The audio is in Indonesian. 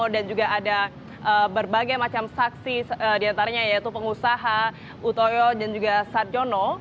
dan juga ada berbagai macam saksi diantaranya yaitu pengusaha utoyo dan juga sarjono